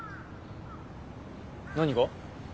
何が？